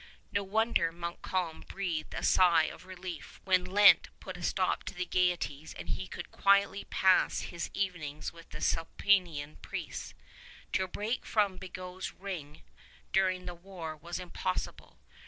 No wonder Montcalm breathed a sigh of relief when Lent put a stop to the gayeties and he could quietly pass his evenings with the Sulpician priests. To break from Bigot's ring during the war was impossible.